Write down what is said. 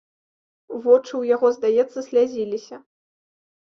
Вочы ў яго, здаецца, слязіліся.